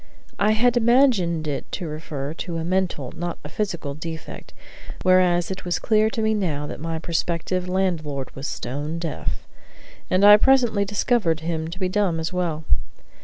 I had imagined it to refer to a mental, not a physical, defect; whereas it was clear to me now that my prospective landlord was stone deaf, and I presently discovered him to be dumb as well.